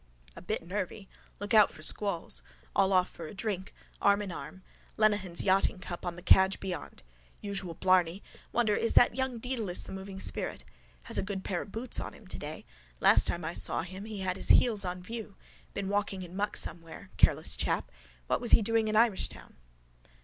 A bit nervy. Look out for squalls. All off for a drink. Arm in arm. Lenehan's yachting cap on the cadge beyond. Usual blarney. Wonder is that young Dedalus the moving spirit. Has a good pair of boots on him today. Last time I saw him he had his heels on view. Been walking in muck somewhere. Careless chap. What was he doing in Irishtown?